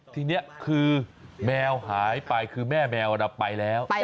ทีนี้คือแมวหายไปคือแม่แมวไปแล้ว